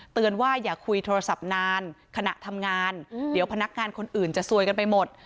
ว่าอย่าคุยโทรศัพท์นานขณะทำงานเดี๋ยวพนักงานคนอื่นจะซวยกันไปหมด